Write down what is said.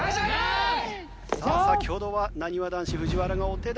さあ先ほどはなにわ男子藤原がお手玉。